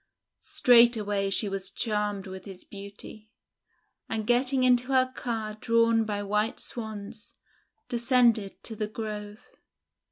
Straightway she was charmed with his beauty, and, getting into her car drawn by white Swans, descended to the Grove.